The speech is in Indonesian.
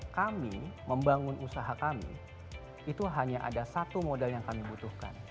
kami membangun usaha kami itu hanya ada satu modal yang kami butuhkan